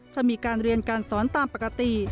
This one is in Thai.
จะมีการเรียนการสอนตามปกติ